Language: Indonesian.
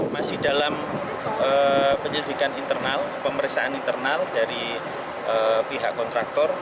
masih dalam penyelidikan internal pemeriksaan internal dari pihak kontraktor